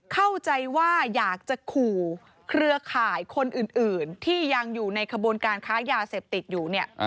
เข้าใจว่าอยากจะขู่เครือข่ายคนอื่นที่ยังอยู่ในขบวนการค้ายาเสพติดอยู่เนี่ย